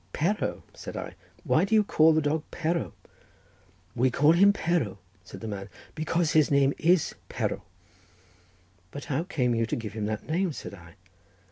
"Perro!" said I; "why do you call the dog Perro?" "We call him Perro," said the man, "because his name is Perro." "But how came you to give him that name?" said I.